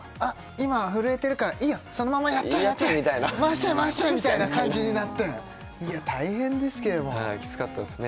今震えてるからいいよそのままやっちゃえやっちゃえ回しちゃえ回しちゃえみたいな感じになっていや大変ですけれどもはいきつかったっすね